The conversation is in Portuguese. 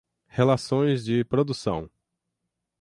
relações de produção